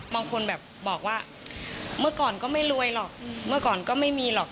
บางคนแบบบอกว่าเมื่อก่อนก็ไม่รวยหรอกเมื่อก่อนก็ไม่มีหรอก